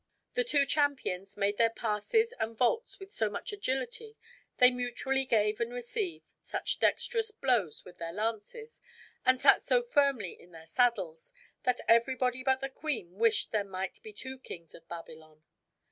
The two champions made their passes and vaults with so much agility, they mutually gave and received such dexterous blows with their lances, and sat so firmly in their saddles, that everybody but the queen wished there might be two kings in Babylon.